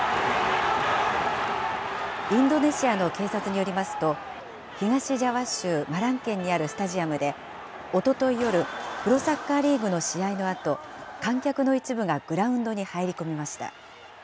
インドネシアの警察によりますと、東ジャワ州マラン県にあるスタジアムで、おととい夜、プロサッカーリーグの試合のあと、観客の一部がグラウンドに入り込みました。